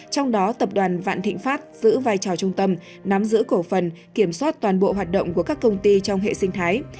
trong đó tập đoàn vạn thịnh pháp giữ vai trò trung tâm nắm giữ cổ phần kiểm soát toàn bộ hoạt động của các công ty trong hệ sinh thái